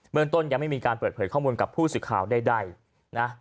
เมืองต้นยังไม่มีการเปิดเผยข้อมูลกับผู้สื่อข่าวใดนะ